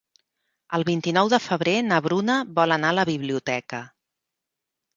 El vint-i-nou de febrer na Bruna vol anar a la biblioteca.